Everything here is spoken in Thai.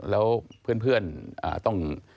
แล้วเพื่อนต้อง